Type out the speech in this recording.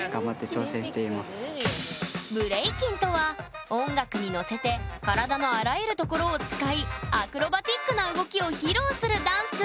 ブレイキンとは音楽にのせて体のあらゆるところを使いアクロバティックな動きを披露するダンス。